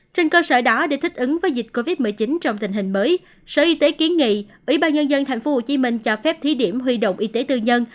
trên cơ sở đó để thích ứng với dịch covid một mươi chín trong tình hình mới sở y tế kiến nghị ủy ban nhân dân tp hcm cho phép thí điểm huy động y tế tư nhân